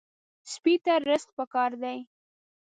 سپي ته رزق پکار دی.